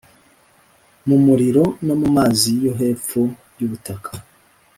mu muriro no mu mazi yo hepfo y ubutaka